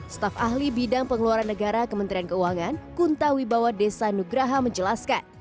staff ahli bidang pengeluaran negara kementerian keuangan kuntawi bawadesa nugraha menjelaskan